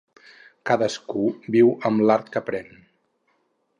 Cadascú viu amb l'art que aprèn.